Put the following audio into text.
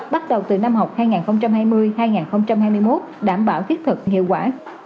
bắt đầu từ năm học hai nghìn hai mươi hai nghìn hai mươi một đảm bảo thiết thực hiệu quả